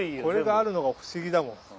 これがあるのが不思議だもん。